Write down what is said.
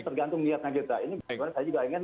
tergantung niatnya kita ini saya juga ingin